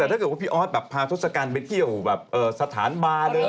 แต่ถ้าเกิดว่าพี่ออธพาทศกัณฐ์ไปเที่ยวสถานบาร์